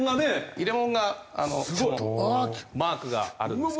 入れ物がマークがあるんですけど。